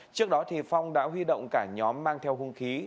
trước đó phong đã huy động cả nhóm mang theo hung khí